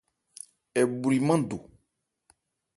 Ɛ bwri nmándò.